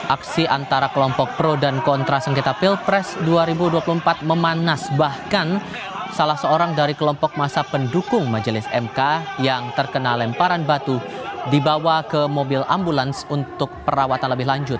aksi antara kelompok pro dan kontra sengketa pilpres dua ribu dua puluh empat memanas bahkan salah seorang dari kelompok masa pendukung majelis mk yang terkena lemparan batu dibawa ke mobil ambulans untuk perawatan lebih lanjut